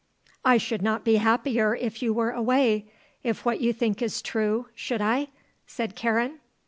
"I should not be happier if you were away if what you think is true, should I?" said Karen.